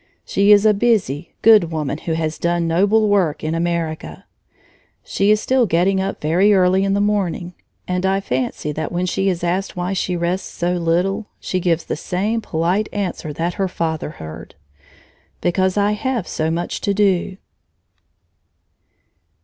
She is a busy, good woman who has done noble work in America. She is still getting up very early in the morning, and I fancy that when she is asked why she rests so little, she gives the same polite answer that her father heard: "Because I have so much to do!"